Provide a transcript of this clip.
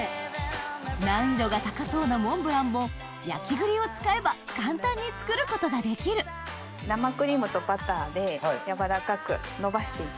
難易度が高そうなモンブランも焼栗を使えば簡単に作ることができる生クリームとバターで軟らかくのばしていきます。